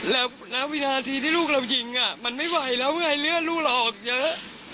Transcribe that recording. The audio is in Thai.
แล้วณวินาทีที่ลูกเรายิงมันไม่ไหวแล้วไงเลือดลูกเราออกเยอะ